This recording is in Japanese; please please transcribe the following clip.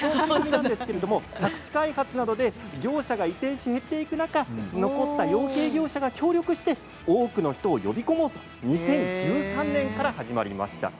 宅地開発などで業者が移転して減っていく中で残った養鶏業者が協力して、多くの人を呼び込もうと２０１３年から始まりました。